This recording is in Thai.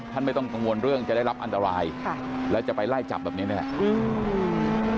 ไม่ต้องกังวลเรื่องจะได้รับอันตรายค่ะแล้วจะไปไล่จับแบบนี้นะครับ